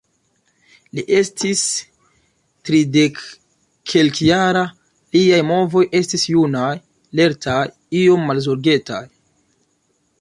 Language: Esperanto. Li estis tridekkelkjara, liaj movoj estis junaj, lertaj, iom malzorgetaj.